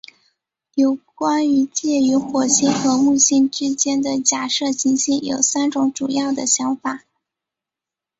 有关于介于火星和木星之间的假设行星有三种主要的想法。